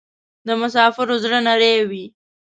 د مسافرو زړه نری وی